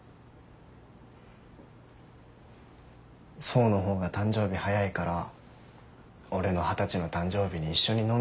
想の方が誕生日早いから俺の二十歳の誕生日に一緒に飲みに行こうって。